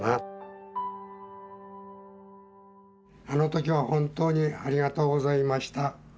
あの時は本当にありがとうございました。